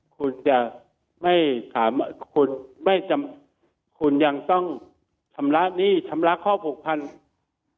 คุณจะไม่ถามคุณไม่จำคุณยังต้องชำระหนี้ชำระข้อผูกพัน